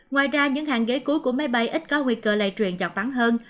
ngoài ra những hàng ghế cuối của máy bay ít có nguy cơ lây truyền dọc hơn